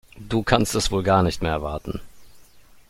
Du kannst es wohl gar nicht mehr erwarten.